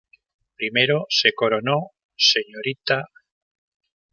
Primero se coronó Srta.